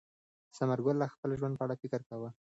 ثمر ګل د خپل ژوند په اړه فکر کاوه.